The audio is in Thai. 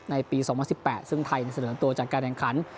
ในปี๒๐๑๘ซึ่งไทยเสนอตัวจัดการแข่งขัน